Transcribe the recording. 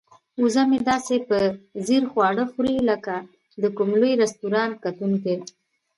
وزه مې داسې په ځیر خواړه خوري لکه د کوم لوی رستورانت کتونکی.